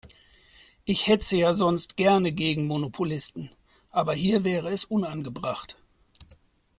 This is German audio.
Ich hetze ja sonst gerne gegen Monopolisten, aber hier wäre es unangebracht.